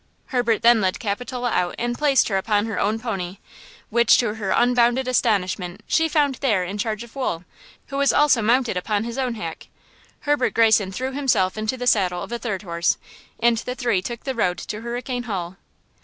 Herbert then led Capitola out and placed her upon her own pony, Gyp, which, to her unbounded astonishment, she found there in charge of Wool, who was also mounted upon his own hack. Herbert Greyson threw himself into the saddle of a third horse, and the three took the road to Hurricane Hall.